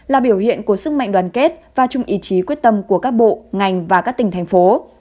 là biểu hiện của sức mạnh đoàn kết và chung ý chí quyết tâm của các bộ ngành và các tỉnh thành phố